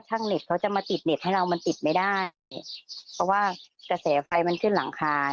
เน็ตเขาจะมาติดเน็ตให้เรามันติดไม่ได้เพราะว่ากระแสไฟมันขึ้นหลังคา